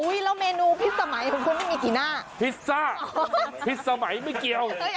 แล้วเมนูพิษสมัยของคุณไม่มีกี่หน้าพิซซ่าพิษสมัยไม่เกี่ยว